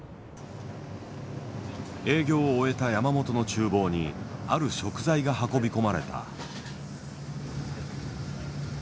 営業を終えた山本の厨房にある食材が運び込まれた。